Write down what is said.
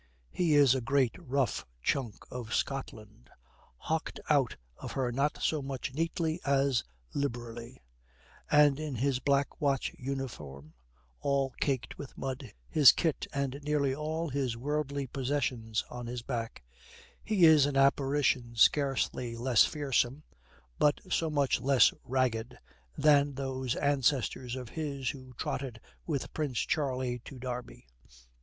He is a great rough chunk of Scotland, howked out of her not so much neatly as liberally; and in his Black Watch uniform, all caked with mud, his kit and nearly all his worldly possessions on his back, he is an apparition scarcely less fearsome (but so much less ragged) than those ancestors of his who trotted with Prince Charlie to Derby.